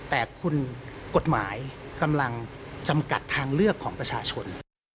แต่คุณกฎหมายกำลังจำกัดทางเลือกของประชาชน